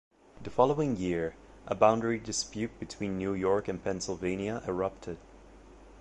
The following year, a boundary dispute between New York and Pennsylvania erupted.